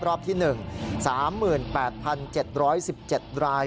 รอบที่๑๓๘๗๑๗ราย